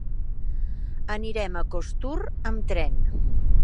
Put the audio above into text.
Anirem a Costur amb tren.